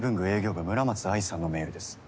部村松愛さんのメールです。